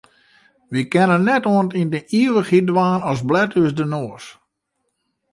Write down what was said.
Wy kinne net oant yn de ivichheid dwaan as blet ús de noas.